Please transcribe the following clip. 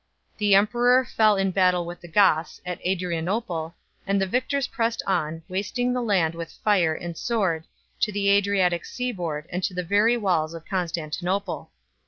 The emperor fell in battle with the Goths at Adrianople, and the victors pressed on, wasting the land with fire and sword, to the Adriatic seaboard and to the very walls of Constantinople.